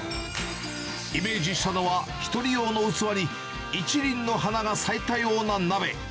イメージしたのは、１人用の器に一輪の花が咲いたような鍋。